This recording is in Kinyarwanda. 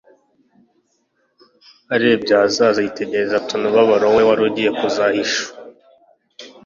arebye ahazaza yitegereza tunubabaro we wari ugiye kuzahishu.